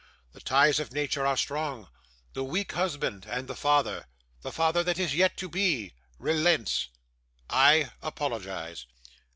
'The ties of nature are strong. The weak husband and the father the father that is yet to be relents. I apologise.